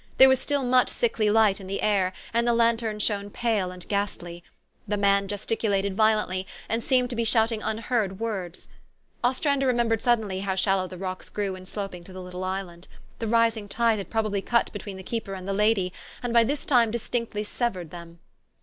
There was still much sickly light in the air, and the lantern shone pale and ghastly. The man gesticu lated violently, and seemed to be shouting unheard words. Ostrander remembered suddenly how shal low the rocks grew in sloping to the little island. The rising tide had probably cut between the keeper and the lady, and by this time distinctly severed them.